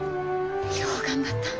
よう頑張った。